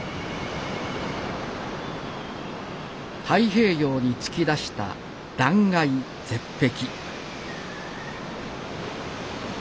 太平洋に突き出した断崖絶壁